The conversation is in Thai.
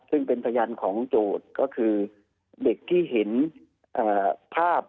ซึ่งเป็นพยานของโจทย์ก็คือเด็กที่เห็นภาพ